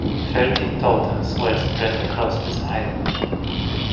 Thirteen totems were spread across this island.